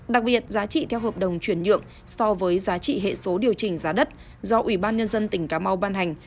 đặc biệt giá trị theo hợp đồng chuyển nhượng so với giá trị hệ số điều chỉnh giá đất do ủy ban nhân dân tỉnh cà mau ban hành